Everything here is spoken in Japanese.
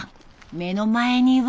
目の前には。